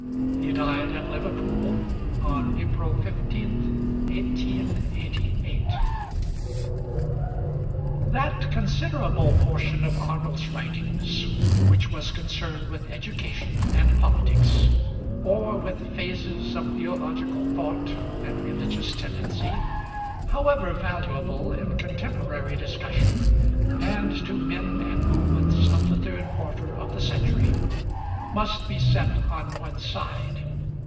He died at Liverpool, on April 15th, 1888. [Illustration: MATTHEW ARNOLD] That considerable portion of Arnold's writings which was concerned with education and politics, or with phases of theological thought and religious tendency, however valuable in contemporary discussion, and to men and movements of the third quarter of the century, must be set on one side.